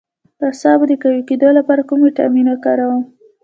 د اعصابو د قوي کیدو لپاره کوم ویټامین وکاروم؟